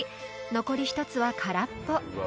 ［残り１つは空っぽ］